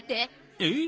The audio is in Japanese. えっ？